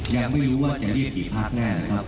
ยังไม่รู้ว่าจะเรียกกี่ภาคแน่นะครับ